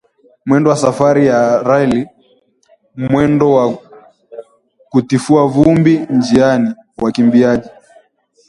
mwendo wa Safari rally! Mwendo wa kutifua vumbi njiani! Wakimbiaji